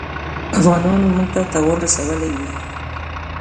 افغانانو موږ ته تاوان رسولی وي.